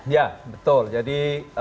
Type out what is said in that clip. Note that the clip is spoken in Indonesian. ya betul jadi